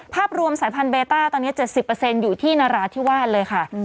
ภาพรวมสายพันธุเบต้าตอนนี้๗๐อยู่ที่นราธิวาสเลยค่ะ